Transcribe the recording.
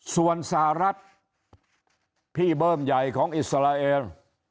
ส่วนสหรัฐพี่เบิ้มใหญ่ของอิสราเอล